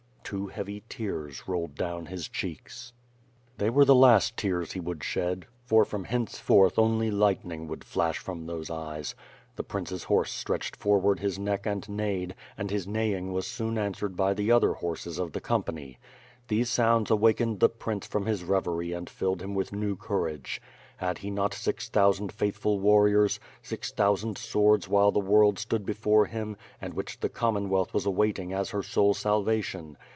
Two heavy tears rolled down his cheeks. They were the last tears he would shed, for from hence forth only lightning would flash from those eyes. The prince's horse stretched forward his neck and neighed; and his neighing was soon answered by the other horses of the company. These sounds awakened the prince from his reverie and filled him new courage. Had he not six thousand faithful warriors, six thousand swords while the world stood before him, and which the Commonwealth was awaiting as her sole salvation.